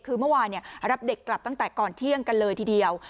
คือเมื่อวานรับเด็กกลับตั้งแต่ก่อนเที่ยงกันเลยทีเดียว